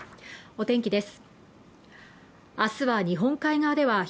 お天気です。